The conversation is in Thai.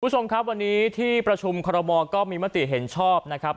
คุณผู้ชมครับวันนี้ที่ประชุมคอรมอลก็มีมติเห็นชอบนะครับ